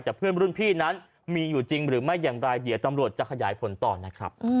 แต่เพื่อนรุ่นพี่นั้นมีอยู่จริงหรือไม่อย่างไร